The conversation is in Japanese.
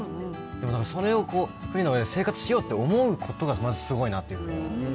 でもそれを船の上で生活しようと思うことがまずすごいなっていうのを。